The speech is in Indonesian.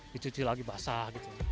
dicuci lagi basah